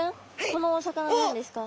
このお魚何ですか？